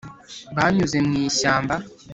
- banyuze mu ishyamba.